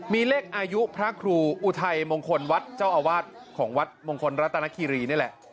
มีเลขอายุพระครูอุทัยมงคลวัดเจ้าอาวาสของวัดมงคลรัตนคีรีนี่แหละ